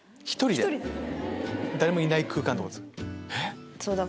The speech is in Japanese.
誰もいない空間ってことですか？